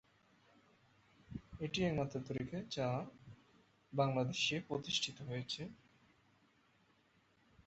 চিঠির সত্যতা এবং সীলমোহর সন্দেহজনক এবং তাদের আবিষ্কারের সাথে সাথেই প্রতিদ্বন্দ্বিতা করা হয়েছে।